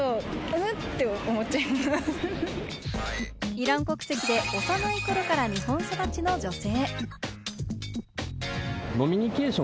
イラン国籍で、幼い頃から日本育ちの女性。